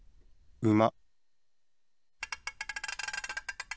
うま。